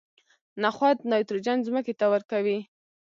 نخود نایتروجن ځمکې ته ورکوي.